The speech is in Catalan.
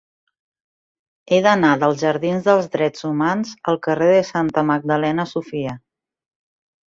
He d'anar dels jardins dels Drets Humans al carrer de Santa Magdalena Sofia.